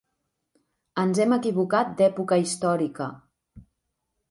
Ens hem equivocat d'època històrica.